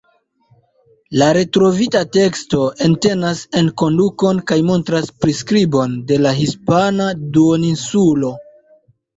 La retrovita teksto entenas enkondukon kaj montras priskribon de la hispana duoninsulo.